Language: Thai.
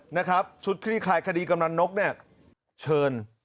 นะครับชุดคลิตขายคดีกำรันนกเชิญ